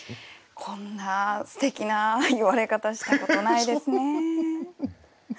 こんなすてきな言われ方したことないですね。